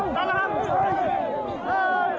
พระบุว่าจะมารับคนให้เดินทางเข้าไปในวัดพระธรรมกาลนะคะ